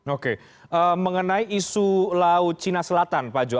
oke mengenai isu laut china selatan pak jok